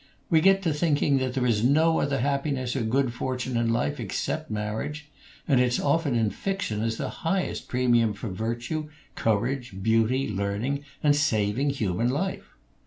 We get to thinking that there is no other happiness or good fortune in life except marriage; and it's offered in fiction as the highest premium for virtue, courage, beauty, learning, and saving human life.